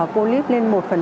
phô líp lên một